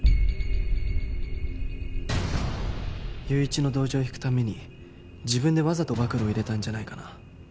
友一の同情を引くために自分でわざと暴露を入れたんじゃないかな？